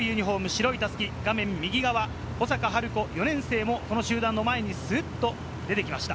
白い襷、画面右側、保坂晴子・４年生もこの集団の前にスッと出てきました。